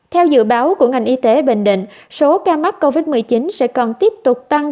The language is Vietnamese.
theo dự báo của ngành y tế bình định số ca mắc covid một mươi chín sẽ còn tiếp tục tăng